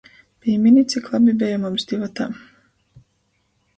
Pīmini, cik labi beja mums divatā?